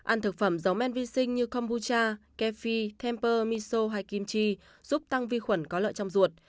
ăn thực phẩm giống men vi sinh như kombucha kefi temper miso hay kimchi giúp tăng vi khuẩn có lợi trong ruột